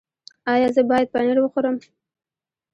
ایا زه باید پنیر وخورم؟